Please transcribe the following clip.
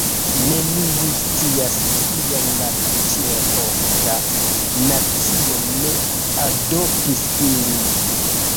Neniu scias kial la Ĉeroka nacio ne adoptis ilin